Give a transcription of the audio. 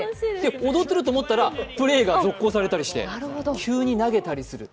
踊ってると思ったら、プレーが続行されたりして、急に投げたりする。